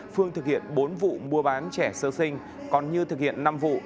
phương thực hiện bốn vụ mua bán trẻ sơ sinh còn như thực hiện năm vụ